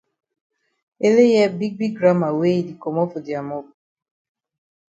Ele hear big big gramma wey e di komot for dia mop.